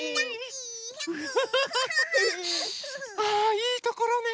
あいいところね